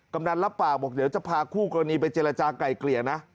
กำนันรับปากบอกเดี๋ยวจะพาคู่กรณีไปเจรจากลายเกลี่ยนะ